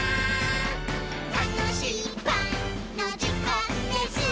「たのしいパンのじかんです！」